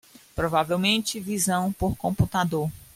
Provavelmente visão por computador